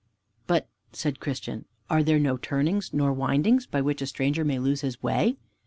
"But," said Christian, "are there no turnings, nor windings, by which a stranger may lose his way?"